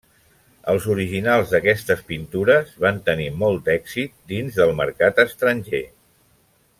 Els originals d'aquestes pintures van tenir molt d'èxit dins del mercat estranger.